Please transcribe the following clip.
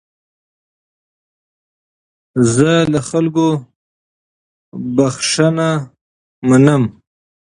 زه له خلکو بخښنه منم.